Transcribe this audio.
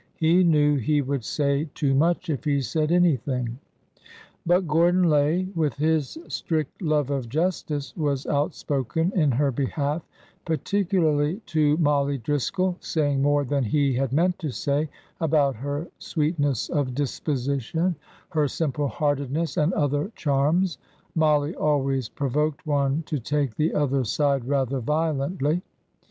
He knew he would say too much if he said anything. But Gordon Lay, with his strict love of justice, was outspoken in her behalf, particularly to Mollie Driscoll, saying more than he had meant to say about her sweet ness of disposition, her simple heartedness and other charms — Mollie always provoked one to take the other side rather violently.